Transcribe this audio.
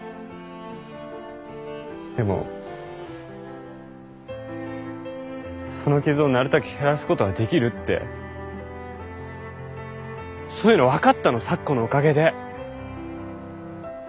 でもその傷をなるたけ減らすことはできるってそういうの分かったの咲子のおかげで。